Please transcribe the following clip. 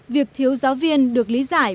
việc thiếu giáo viên được lý giải